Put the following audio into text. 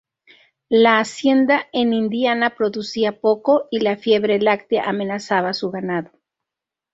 La hacienda en Indiana producía poco y la fiebre láctea amenazaba su ganado.